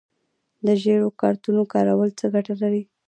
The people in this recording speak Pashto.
د ژیړو کارتونو کارول څه ګټه لري؟